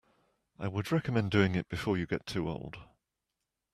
I would recommend doing it before you get too old.